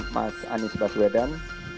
mas anis baswedan